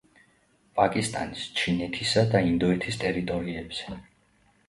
პაკისტანის, ჩინეთისა და ინდოეთის ტერიტორიებზე.